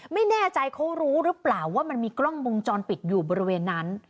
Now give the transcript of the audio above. ไม่แน่ใจเขารู้หรือเปล่าว่ามันมีกล้องวงจรปิดอยู่บริเวณนั้น